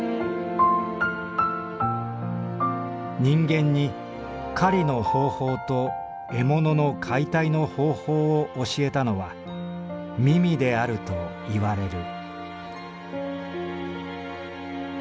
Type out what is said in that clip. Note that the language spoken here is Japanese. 「人間に狩りの方法と獲物の解体の方法を教えたのはミミであるといわれる」。